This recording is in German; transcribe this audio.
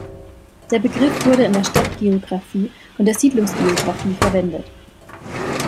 Der Begriff wurde in der Stadtgeographie und der Siedlungsgeographie verwendet.